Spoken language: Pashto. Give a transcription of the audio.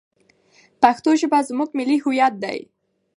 پښتو ژبه زموږ ملي هویت دی.